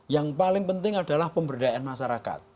yang paling penting adalah pemberdayaan masyarakat